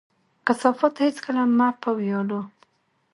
کثافات هيڅکله مه په ويالو،